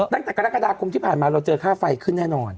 ด้านเกรกฎาคมปลายมาเราเจอค่าไฟขึ้นแน่นอน